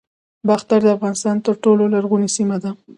باختر د افغانستان تر ټولو لرغونې سیمه ده